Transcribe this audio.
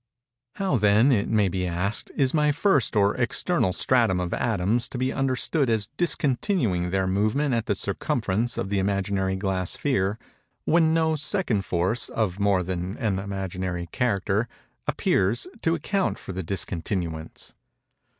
How then, it may be asked, is my first or external stratum of atoms to be understood as discontinuing their movement at the circumference of the imaginary glass sphere, when no second force, of more than an imaginary character, appears, to account for the discontinuance?